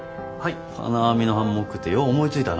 金網のハンモックってよう思いついたな。